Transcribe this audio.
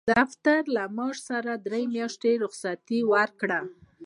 دفتر له معاش سره درې میاشتې رخصت ورکوي.